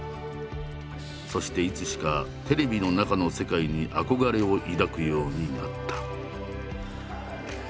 そしていつしかテレビの中の世界に憧れを抱くようになった。